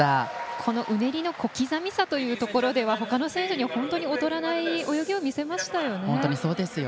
このうねりの小刻みさというところではほかの選手に本当に劣らない泳ぎを見せましたよね。